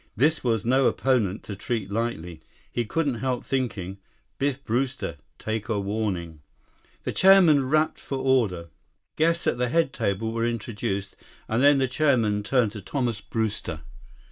This was no opponent to treat lightly. He couldn't help thinking: Biff Brewster, take warning! The chairman rapped for order. Guests at the head table were introduced, then the chairman turned to Thomas Brewster.